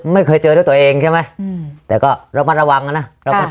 ไม่เคยเจอด้วยตัวเองใช่ไหมแต่ก็ระมัดระวังนะ